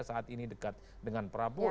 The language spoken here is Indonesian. saat ini dekat dengan prabowo